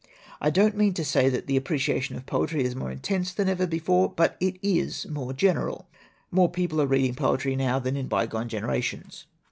I don't mean to say that the appreciation of poetry is more intense than ever before, but it is more general. More people are reading poetry now than in bygone generations.